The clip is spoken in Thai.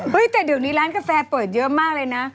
แต่เดี๋ยวนี้ร้านกาแฟเปิดเยอะมากเลยนะ